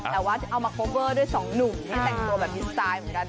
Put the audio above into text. แต่ว่าเอามาโคเวอร์ด้วยสองหนุ่มที่แต่งตัวแบบดีสไตล์เหมือนกัน